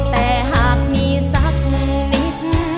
แต่หากมีสักนิด